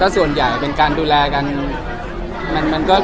ส่วนใหญ่เป็นการดูแลกัน